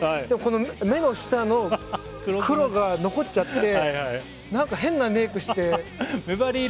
でも目の下の黒が残っちゃって何か変なメイクして。